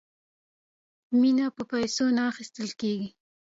مینه په پیسو نه اخیستل کیږي.